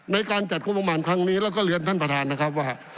ในการจัดงบประมาณครั้งนี้แล้วก็เรียนท่านประธานนะครับว่า